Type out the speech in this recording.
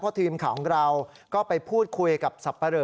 ทีมข่าวของเราก็ไปพูดคุยกับสับปะเลอ